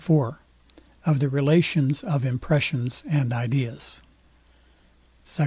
IV OF THE RELATIONS OF IMPRESSIONS AND IDEAS SECT.